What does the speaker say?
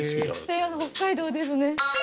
北海道ですね。